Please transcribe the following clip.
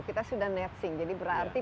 kita sudah netsing jadi berarti